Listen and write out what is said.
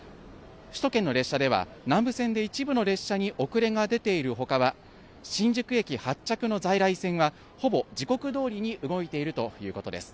首都圏の列車では南武線で一部の列車に遅れが出ているほかは、新宿駅発着の在来線はほぼ時刻どおりに動いているということです。